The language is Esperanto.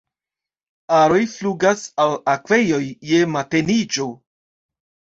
Aroj flugas al akvejoj je mateniĝo.